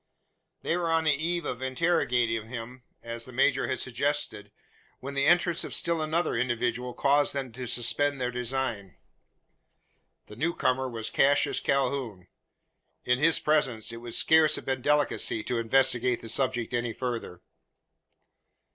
They were on the eve of interrogating him as the major had suggested when the entrance of still another individual caused them to suspend their design. The new comer was Cassius Calhoun. In his presence it would scarce have been delicacy to investigate the subject any further.